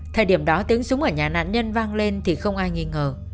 thời điểm đó tiếng súng ở nhà nạn nhân vang lên thì không ai nghi ngờ